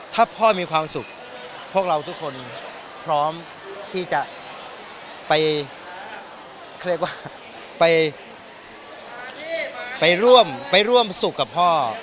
ถ้าพ่อมีความสุขพวกเราทุกคนพร้อมที่จะไปเขาเรียกว่าไปร่วมไปร่วมสุขกับพ่อ